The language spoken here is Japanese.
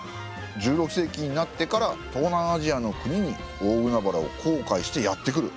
１６世紀になってから東南アジアの国に大海原を航海してやって来る？